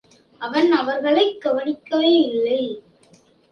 அவன் அவர்களைக் கவனிக்கவேயில்லை.